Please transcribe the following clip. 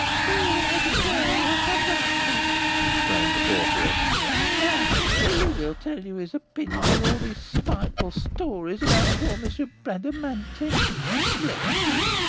"Oh, I declare, here comes Alfred!" exclaimed the porteress. "Now he will tell you his opinion of all these spiteful stories about poor M. Bradamanti. Bless you!